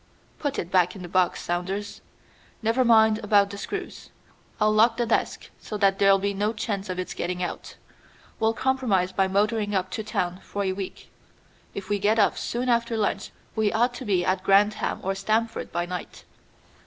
Put it back in the box, Saunders. Never mind about the screws. I'll lock the desk, so that there'll be no chance of its getting out. We'll compromise by motoring up to town for a week. If we get off soon after lunch we ought to be at Grantham or Stamford by night."